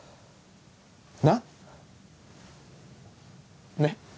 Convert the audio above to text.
なっ？